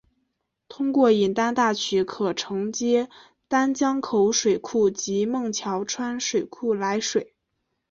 通过引丹大渠可承接丹江口水库及孟桥川水库来水。